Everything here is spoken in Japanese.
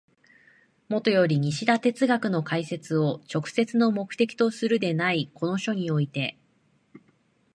もとより西田哲学の解説を直接の目的とするのでないこの書において、